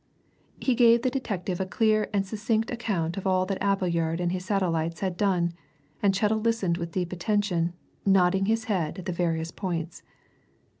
He gave the detective a clear and succinct account of all that Appleyard and his satellites had done, and Chettle listened with deep attention, nodding his head at the various points.